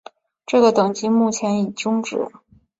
这个等级目前已终止。